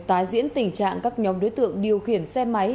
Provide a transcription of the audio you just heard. tái diễn tình trạng các nhóm đối tượng điều khiển xe máy